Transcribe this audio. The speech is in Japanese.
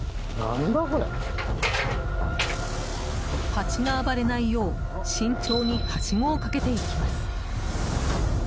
ハチが暴れないよう慎重に、はしごをかけていきます。